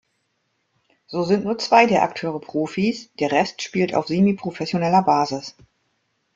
So sind nur zwei der Akteure Profis, der Rest spielt auf semi-professioneller Basis.